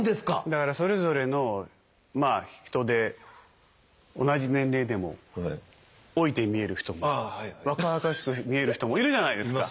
だからそれぞれのまあ人で同じ年齢でも老いて見える人も若々しく見える人もいるじゃないですか。